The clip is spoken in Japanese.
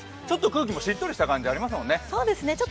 ちょっと空気もしっとりした感じありますもんね。